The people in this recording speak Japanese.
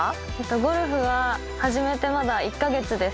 ゴルフははじめてまだ１か月です。